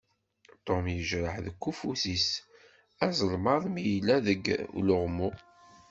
Tom yejreḥ deg ufud-is azelmaḍ mi yella deg uluɣmu.